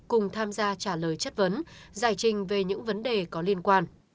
cùng tham gia trả lời chất vấn giải trình về những vấn đề có liên quan